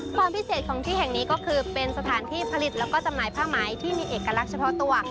ความพิเศษของที่แห่งนี้ก็คือเป็นสถานที่ผลิตแล้วก็จำหน่ายผ้าไหมที่มีเอกลักษณ์เฉพาะตัว